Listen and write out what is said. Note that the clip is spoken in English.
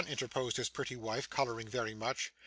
interposed his pretty wife, colouring very much.